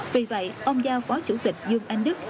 vì vậy ông giao phó chủ tịch dương anh đức